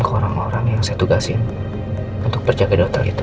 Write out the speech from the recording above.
ke orang orang yang saya tugasin untuk berjaga dokter itu